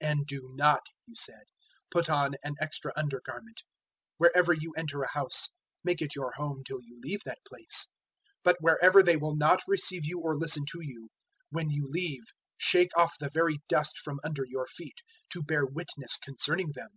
"And do not," He said, "put on an extra under garment. 006:010 Wherever you enter a house, make it your home till you leave that place. 006:011 But wherever they will not receive you or listen to you, when you leave shake off the very dust from under your feet to bear witness concerning them."